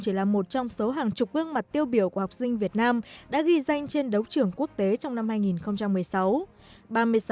chỉ là một trong số hàng chục gương mặt tiêu biểu của học sinh việt nam đã ghi danh trên đấu trường quốc tế trong năm hai nghìn một mươi sáu